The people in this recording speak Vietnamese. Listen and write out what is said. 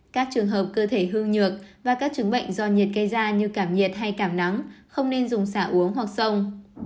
các trường hợp cơ thể hương nhược và các chứng bệnh do nhiệt gây ra như cảm nhiệt hay cảm nắng không nên dùng xả uống hoặc sông